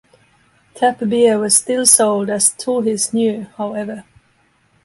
Tap beer was still sold as "Tooheys New", however.